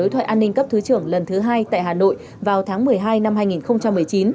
trưởng lần thứ hai tại hà nội vào tháng một mươi hai năm hai nghìn một mươi chín